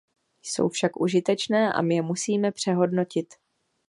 Jsou však užitečné a my je musíme přehodnotit.